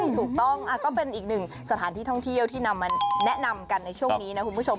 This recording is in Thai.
ถูกต้องก็เป็นอีกหนึ่งสถานที่ท่องเที่ยวที่นำมาแนะนำกันในช่วงนี้นะคุณผู้ชม